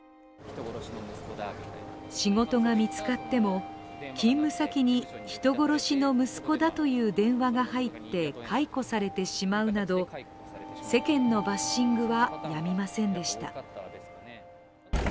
仕事が見つかっても、勤務先に人殺しの息子だという電話が入って解雇されてしまうなど世間のバッシングはやみませんでした。